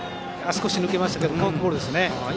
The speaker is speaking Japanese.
少し抜けましたがフォークボールです。